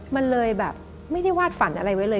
มันเลยแบบไม่ได้วาดฝันอะไรไว้เลย